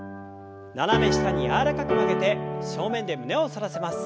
斜め下に柔らかく曲げて正面で胸を反らせます。